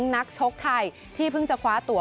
นักชกไทยที่เพิ่งจะคว้าตัว